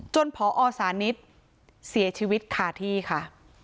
พอสานิทเสียชีวิตคาที่ค่ะ